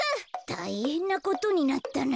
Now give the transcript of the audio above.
たいへんなことになったな。